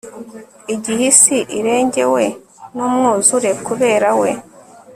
igihe isi irengewe n'umwuzure kubera we